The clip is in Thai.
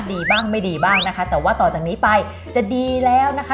ดีบ้างไม่ดีบ้างนะคะแต่ว่าต่อจากนี้ไปจะดีแล้วนะคะ